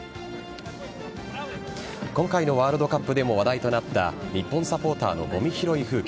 今回のワールドカップでも話題となった日本サポーターのごみ拾い風景。